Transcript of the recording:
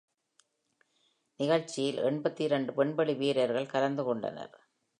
நிகழ்ச்சியில் எண்பத்தி-இரண்டு விண்வெளி வீரர்கள் கலந்து கொண்டனர்.